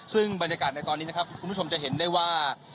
ซึ่งบรรยากาศในตอนนี้นะครับคุณผู้ชมจะเห็นได้ว่า